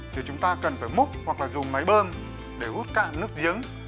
thì chúng ta cần phải múc hoặc là dùng máy bơm để hút cạn nước giếng